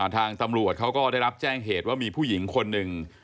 ทางตำรวจเขาก็ได้รับแจ้งเหตุว่ามีผู้หญิงคนหนึ่ง